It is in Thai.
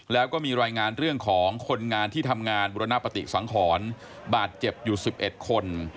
แล้วก็มีรายงานเรื่องของคนงานที่ทำงานบุรณปฏิสังขรบาดเจ็บอยู่๑๑คน